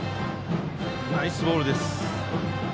ナイスボールですね。